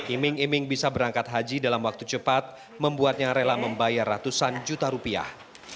iming iming bisa berangkat haji dalam waktu cepat membuatnya rela membayar ratusan juta rupiah